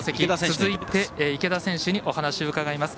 続いて池田選手にお話を伺います。